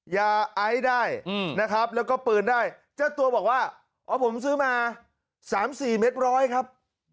ยาไอซ์ได้นะครับแล้วก็ปืนได้เจ้าตัวบอกว่าอ๋อผมซื้อมา๓๔เม็ดร้อยครับ